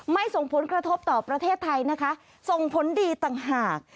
ส่งผลกระทบต่อประเทศไทยนะคะส่งผลดีต่างหาก